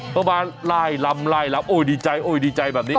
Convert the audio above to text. เพราะว่าลายลำลายลำโอ๊ยดีใจโอ๊ยดีใจแบบนี้